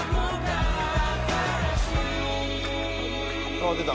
「ああ出た！